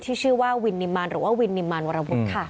ที่ชื่อว่าวินิมันหรือว่าวินิมันวรวพุทธค่ะ